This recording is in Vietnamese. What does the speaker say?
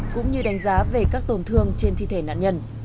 cũng như đánh giá về các tổn thương trên thi thể nạn nhân